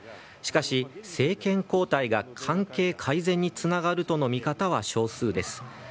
しかし、政権交代が関係改善につながるとの見方は少数です。